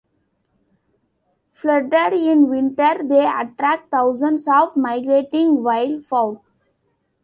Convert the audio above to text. Flooded in winter, they attract thousands of migrating wildfowl.